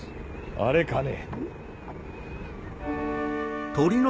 あれかね？